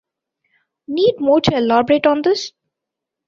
Need more to elaborate on this.